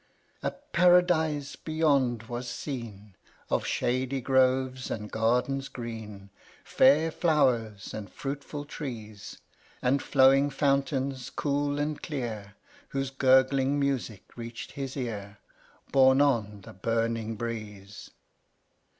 25. A Paradise beyond was seen, Of shady groves and gardens green, Fair flowers and fruitful trees. And flowing fountains cool and clear, Whose gurgling music reach'd his ear, Borne on the burning breeze.